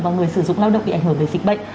và người sử dụng lao động bị ảnh hưởng bởi dịch bệnh